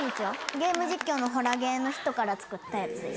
ゲーム実況のホラゲーの人から作ったやつです。